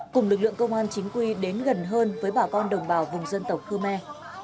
cùng lực lượng công an chính quy đến gần hơn với bà con đồng bào vùng dân tộc khmer